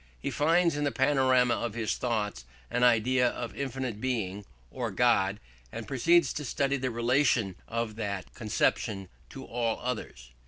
He finds in the panorama of his thoughts an idea of infinite Being, or God, and proceeds to study the relation of that conception to all others.